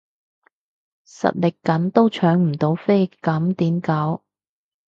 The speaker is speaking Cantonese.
實力緊都搶唔到飛咁點搞？